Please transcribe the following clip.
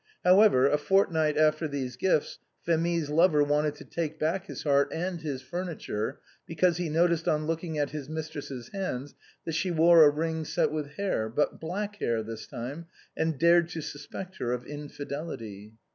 However, a fortnight after these gifts Phé mie's lover wanted to take back his heart and his furniture, because he noticed on looking at his mistress's hands that she wore a ring set with hair, but black hair this time, and dared to suspect her of infidelity.